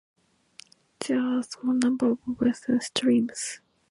There are a small number of wells and streams.